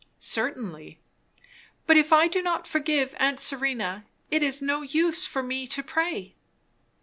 "Certainly." "But if I do not forgive aunt Serena, it is no use for me to pray?"